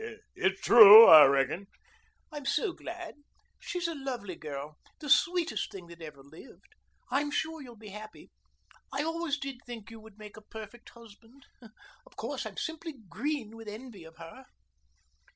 "It's true, I reckon." "I'm so glad. She's a lovely girl. The sweetest thing that ever lived. I'm sure you'll be happy. I always did think you would make a perfect husband. Of course, I'm simply green with envy of her."